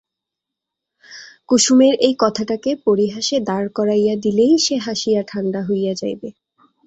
কুসুমের এই কথাটাকে পরিহাসে দাঁড় করাইয়া দিলেই সে হাসিয়া ঠাণ্ডা হইয়া যাইবে।